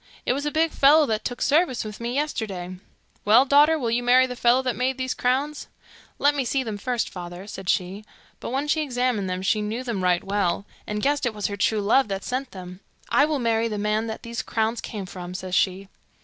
It was a big fellow that took service with me yesterday.' 'Well, daughter, will you marry the fellow that made these crowns?' 'Let me see them first, father,' said she; but when she examined them she knew them right well, and guessed it was her true love that sent them. 'I will marry the man that these crowns came from,' says she.